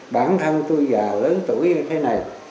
bản thân tôi già lớn tuổi như thế này